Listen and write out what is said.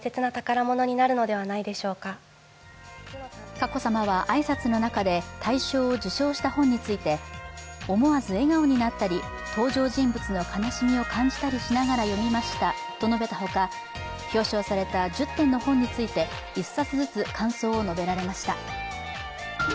佳子さまは挨拶の中で大賞を受賞した本について、思わず笑顔になったり登場人物の悲しみを感じたりしながら読みましたと述べたほか、表彰された１０点の本について１冊ずつ、感想を述べられました。